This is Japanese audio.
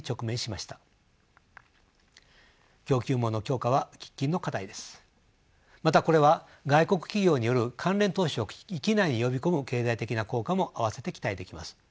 またこれは外国企業による関連投資を域内に呼び込む経済的な効果も併せて期待できます。